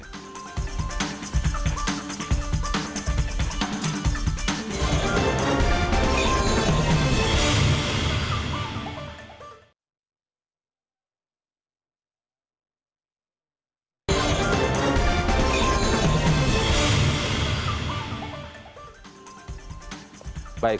pertanyaan dari pak hakam najat